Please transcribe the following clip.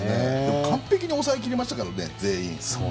完璧に抑え切りましたからね、全員。